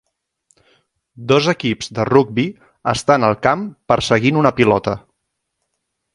Dos equips de rugbi estan al camp perseguint una pilota.